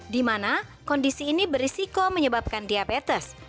dimana kondisi ini berisiko menyebabkan diabetes